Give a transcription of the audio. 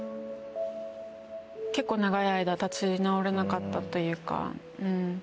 結構長い間立ち直れなかったというか。